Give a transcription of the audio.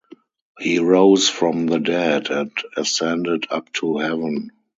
He rose from the dead and ascended up to heaven.